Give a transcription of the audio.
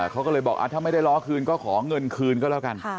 เขาก็เลยบอกถ้าไม่ได้ล้อคืนก็ขอเงินคืนก็แล้วกัน